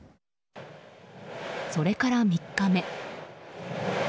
それから３日目。